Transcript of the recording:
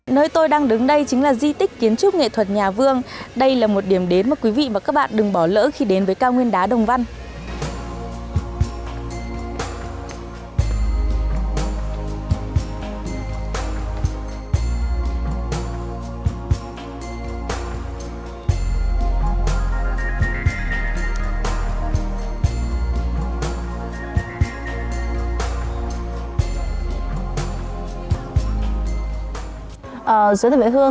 nơi tôi đang đứng đây chính là di tích kiến trúc nghệ thuật nhà vương đây là một điểm đến mà quý vị và các bạn đừng bỏ lỡ khi đến với cao nguyên đá đồng văn